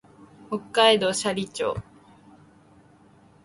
北海道斜里町